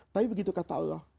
tapi begitu kata allah